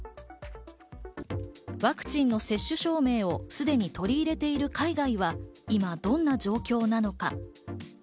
ワクチンの接種証明をすでに取り入れている海外は今どのような状況なのか？